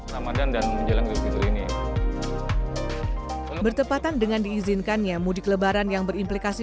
hai namadan dan menjalankan fitur ini bertepatan dengan diizinkannya mudik lebaran yang berimplikasi